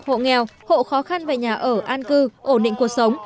hộ nghèo hộ khó khăn về nhà ở an cư ổn định cuộc sống